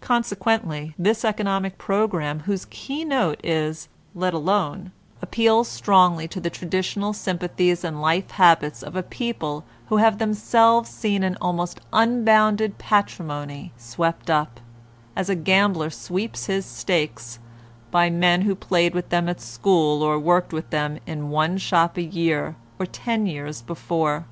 Consequently this economic program, whose key note is ''let alone", appeals strongly to the traditional sympathies and life habits of a people who have themselves seen an almost unbounded patrimony swept up, as a gambler sweeps his stakes, by men who played with them at school or worked with them in one shop a year or ten years before.